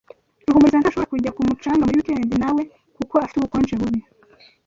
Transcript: Ruhumuriza ntashobora kujya ku mucanga muri wikendi nawe kuko afite ubukonje bubi.